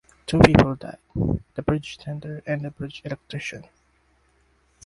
Two people died: the bridge tender and the bridge electrician.